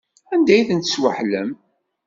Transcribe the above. Anda ay ten-tesweḥlem?